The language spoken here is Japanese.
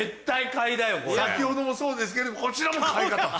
先ほどもそうですけどこちらも買いだと。